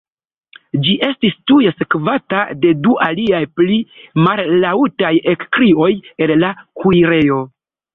Ĝi estis tuj sekvata de du aliaj pli mallaŭtaj ekkrioj el la kuirejo.